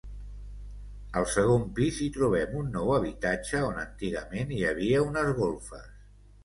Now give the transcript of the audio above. Al segon pis hi trobem un nou habitatge on antigament hi havia unes golfes.